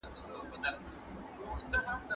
د شنو بوټو پالنه اقتصادي اهمیت لري.